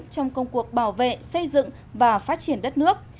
trong công cuộc bảo vệ xây dựng và phát triển đất nước